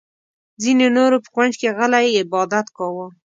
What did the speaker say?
ځینې نورو په کونج کې غلی عبادت کاوه.